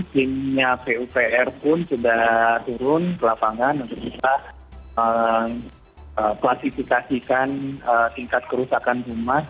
timnya pupr pun sudah turun ke lapangan untuk bisa klasifikasikan tingkat kerusakan rumah